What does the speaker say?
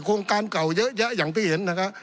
โครงการเก่าเยอะแยะอย่างที่เห็นนะครับ